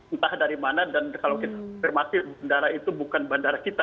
entah dari mana dan kalau kita firmasi bandara itu bukan bandara kita